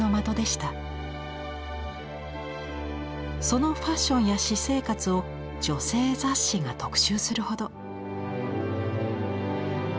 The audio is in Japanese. そのファッションや私生活を女性雑誌が特集するほど。